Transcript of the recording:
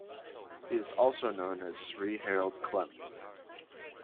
He is also known as Sri Harold Klemp.